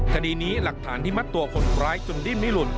คดีนี้หลักฐานที่มัดตัวคนร้ายจนดิ้นไม่หลุด